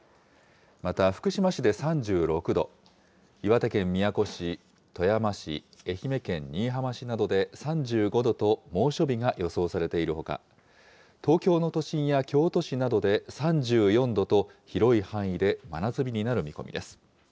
また、福島市で３６度、岩手県宮古市、富山市、愛媛県新居浜市などで３５度と猛暑日が予想されているほか、東京の都心や京都市などで３４度と、広い範囲で真夏日になる見込みです。